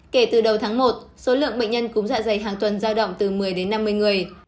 kể từ đầu tháng một số lượng bệnh nhân cúm dạ dày hàng tuần giao động từ một mươi đến năm mươi người